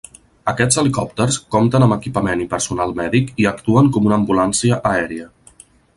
Aquests helicòpters compten amb equipament i personal mèdic i actuen com una ambulància aèria.